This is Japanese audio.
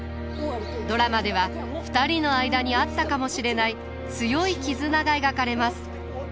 ドラマでは２人の間にあったかもしれない強い絆が描かれます。